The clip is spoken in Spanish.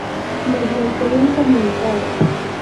mediante un comunicado